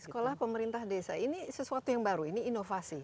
sekolah pemerintah desa ini sesuatu yang baru ini inovasi